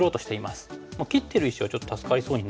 切ってる石はちょっと助かりそうにないですよね。